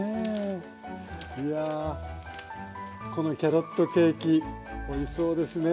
いやこのキャロットケーキおいしそうですね。